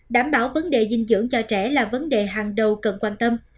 đảm bảo vấn đề dinh dưỡng cho trẻ là vấn đề hàng đầu cần quan tâm